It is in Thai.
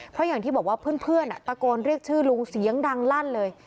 เพราะอย่างที่บอกว่าเพื่อนตะโกนเรียกชื่อลุงเสียงดังลั่นเลย